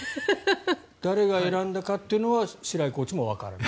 誰が選んだかというのは白井コーチもわからない？